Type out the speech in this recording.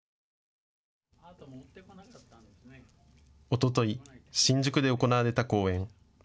おととい、新宿で行われた講演。